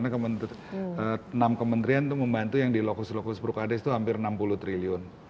karena enam kementerian itu membantu yang di lokus lokus prokades itu hampir enam puluh triliun